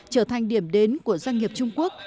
trở thành điểm đến của doanh nghiệp trung quốc